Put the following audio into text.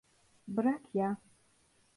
Bırak ya.